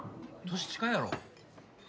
年近いやろ。